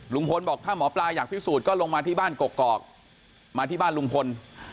ลุงพลบอกถ้าหมอปลาอยากพิสูจน์ก็ลงมาที่บ้านกกอกมาที่บ้านลุงพล